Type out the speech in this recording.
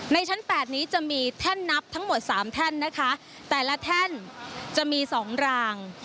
ชั้น๘นี้จะมีแท่นนับทั้งหมดสามแท่นนะคะแต่ละแท่นจะมีสองราง